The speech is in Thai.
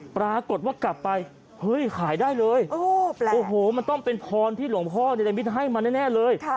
ปรากฏว่ากลับไปเฮ้ยขายได้เลยโอ้โหมันต้องเป็นพรที่หลวงพ่อเนรมิตให้มาแน่เลย